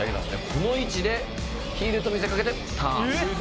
「この位置でヒールと見せかけてターンです」